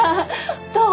どう？